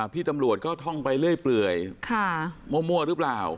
พี่ตำรวจก็ท่องไปเรื่อยมั่วหรือเปล่า